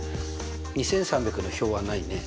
２３００の表はないね。